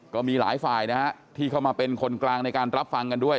ก็มีหลายฝ่ายนะฮะที่เข้ามาเป็นคนกลางในการรับฟังกันด้วย